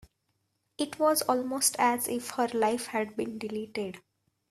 It was almost as if her life had been deleted.